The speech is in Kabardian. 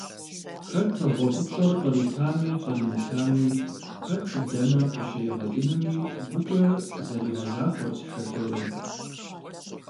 Хэт гъуэгупщӏэр къритами къримытами, хэт дэнэ къыщригъэкӏынуми гукӏэ зэригъэзахуэрт шофёрым.